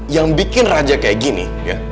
yang bikin raja kayak gini